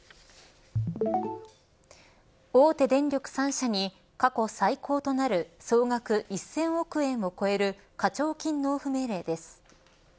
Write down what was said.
大手電力３社に過去最高となる総額１０００億円を超える課徴金納付命令です。